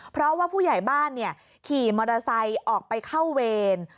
เพราะว่าผู้ใหญ่บ้านขี่มอเตอร์ไซค์ออกไปเข้าเวร